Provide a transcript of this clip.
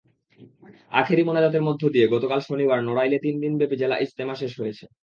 আখেরি মোনাজাতের মধ্য দিয়ে গতকাল শনিবার নড়াইলে তিন দিনব্যাপী জেলা ইজতেমা শেষ হয়েছে।